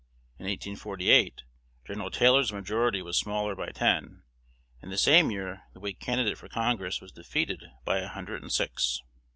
In 1848 Gen. Taylor's majority was smaller by ten, and the same year the Whig candidate for Congress was defeated by a hundred and six.